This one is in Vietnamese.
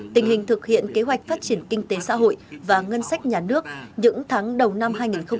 tình hình thực hiện kế hoạch phát triển kinh tế xã hội và ngân sách nhà nước những tháng đầu năm hai nghìn hai mươi